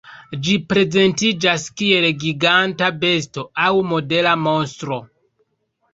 Ĝi prezentiĝas kiel giganta besto aŭ modela monstro.